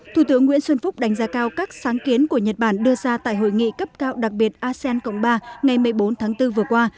thủ tướng nguyễn xuân phúc đánh giá cao các sáng kiến của nhật bản đưa ra tại hội nghị cấp cao đặc biệt asean cộng ba ngày một mươi bốn tháng bốn vừa qua